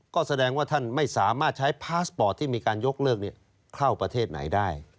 ก็แสดงว่าท่านไม่สามารถใช้พาสปอร์ตที่มีการยกเลิกเข้าประเทศไหนได้